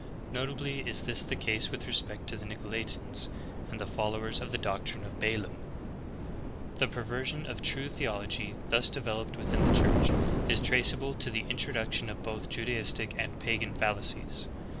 Notably is this the case with respect to the Nicolaitanes, and the followers of the doctrines of Balaam.^ 4. The perversion of true theolog}^ thus developed within the Church is traceable to the introduction of both Judaistic and pagan fallacies.